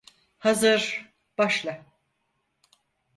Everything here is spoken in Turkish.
Hazır, başla!